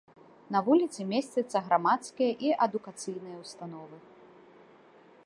На вуліцы месцяцца грамадскія і адукацыйныя ўстановы.